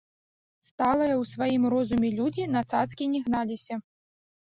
Сталыя ў сваім розуме людзі на цацкі не гналіся.